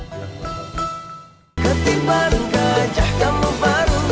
ketipar gajah kamu baru tahu